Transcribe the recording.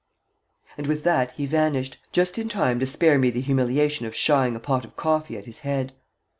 And with that he vanished, just in time to spare me the humiliation of shying a pot of coffee at his head.